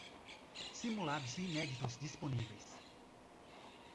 Simulados inéditos disponíveis